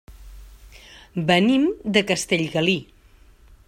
Venim de Castellgalí.